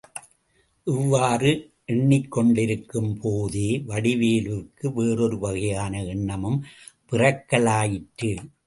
இவ்வாறு எண்ணிக்கொண்டிருக்கும்போதே வடிவேலுவுக்கு வேறொரு வகையான எண்ணமும் பிறக்கலாயிற்று.